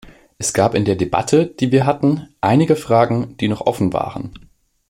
Es gab in der Debatte, die wir hatten, einige Fragen, die noch offen waren.